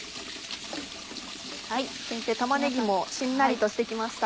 先生玉ねぎもしんなりとして来ました。